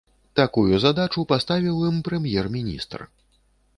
Такую задачу паставіў ім прэм'ер-міністр.